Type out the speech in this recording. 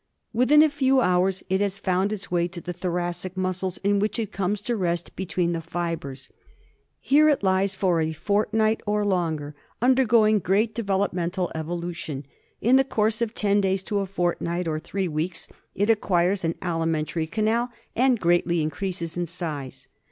Within la few hours it has found its way to the thoracic muscles, Sn which it comes to rest between the fibres. Here it lies for a fortnight or longer undergoing great developmental evolution. In the course of ten days to a fortnight or three weeks it acquires an alimentary canal and greatly increases in size.